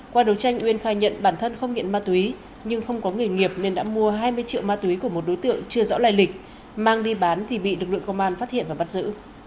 qua đấu tranh uyên khai nhận bản thân không nghiện ma túy nhưng không có nghề nghiệp nên đã mua hai mươi triệu ma túy của một đối tượng chưa rõ lại lịch mang đi bán thì bị lực lượng công an phát hiện và bắt giữ